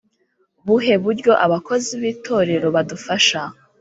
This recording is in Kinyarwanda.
Buhe buryo abakozi b itorero badufasha